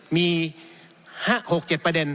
มี๖๗ประเด็น